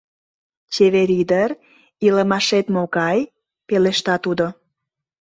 — Чевер ӱдыр, илымашет могай? — пелешта тудо.